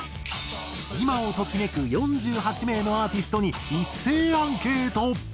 今をときめく４８名のアーティストに一斉アンケート！